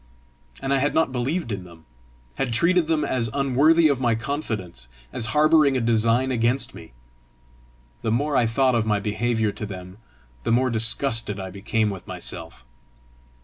And I had not believed in them! had treated them as unworthy of my confidence, as harbouring a design against me! The more I thought of my behaviour to them, the more disgusted I became with myself.